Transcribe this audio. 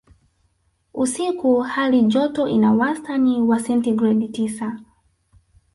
Usiku hali joto ina wastani wa sentigredi tisa